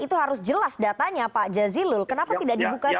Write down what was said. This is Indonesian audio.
itu harus jelas datanya pak jazilul kenapa tidak dibuka